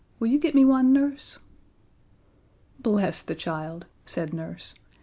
Will you get me one, Nurse?" "Bless the child," said Nurse.